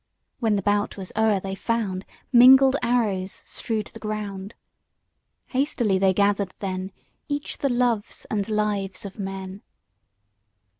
When the bout was o'er they found Mingled arrows strewed the ground. Hastily they gathered then Each the loves and lives of men.